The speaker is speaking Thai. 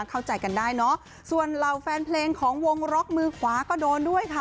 เข้าใจกันได้เนอะส่วนเหล่าแฟนเพลงของวงล็อกมือขวาก็โดนด้วยค่ะ